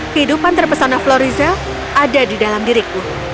kehidupan terpesona flory zell ada di dalam diriku